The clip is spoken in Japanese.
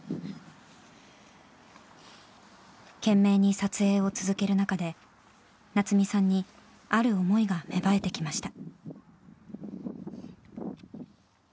懸命に撮影を続ける中で夏実さんにある思いが芽生えてきました。